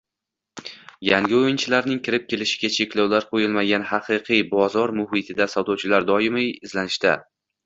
yangi o‘yinchilarning kirib kelishiga cheklovlar qo‘yilmagan haqiqiy bozor muhitida sotuvchilar doimiy izlanishda